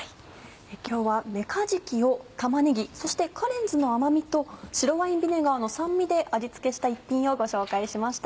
今日はめかじきを玉ねぎそしてカレンズの甘みと白ワインビネガーの酸味で味付けした一品をご紹介しました。